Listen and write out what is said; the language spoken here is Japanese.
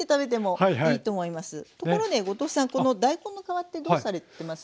ところで後藤さんこの大根の皮ってどうされてます？